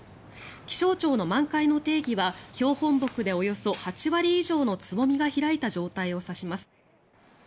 気象庁の満開の定義は標本木でおよそ８割以上のつぼみが開いた状態を指します。